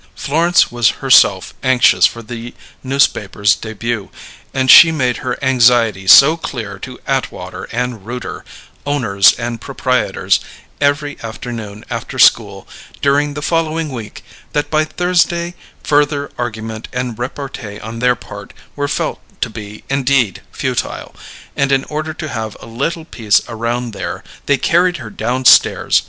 Florence was herself anxious for the newspaper's début, and she made her anxiety so clear to Atwater & Rooter, Owners & Propreitors, every afternoon after school, during the following week, that by Thursday further argument and repartee on their part were felt to be indeed futile; and in order to have a little peace around there, they carried her downstairs.